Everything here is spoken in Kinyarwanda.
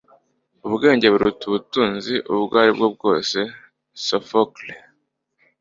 ubwenge buruta ubutunzi ubwo aribwo bwose. - sophocle